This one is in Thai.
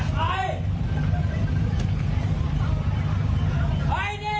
แม่ขี้หมาเนี่ยเธอดีเนี่ย